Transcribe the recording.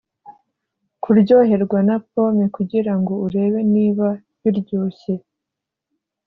kuryoherwa na pome kugirango urebe niba biryoshye,